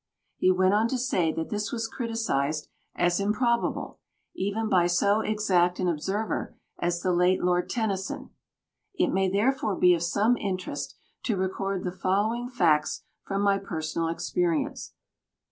He went on to say that this was criticised as improbable, even by so exact an observer as the late Lord Tennyson. It may therefore be of some interest to record the following facts from my personal experience.